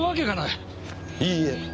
いいえ。